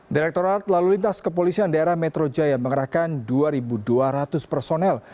direktorat lalu lintas kepolisian daerah metro jaya mengerahkan dua dua ratus personel